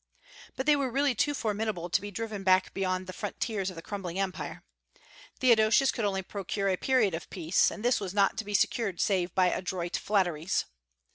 But they were really too formidable to be driven back beyond the frontiers of the crumbling Empire. Theodosius could only procure a period of peace; and this was not to be secured save by adroit flatteries.